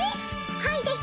はいです！